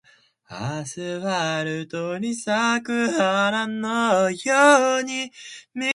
Hackett was born in Providence, Rhode Island.